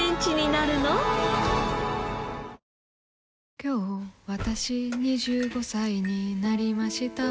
今日わたし、２５歳になりました。